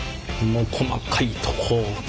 もう細かいとこをねっ。